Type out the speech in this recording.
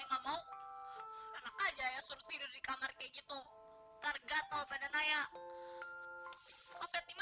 ya soalnya tadi gua mau beli permen sama tisu dulu